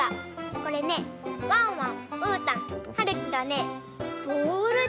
これねワンワンうーたんはるきがねボールであそんでます。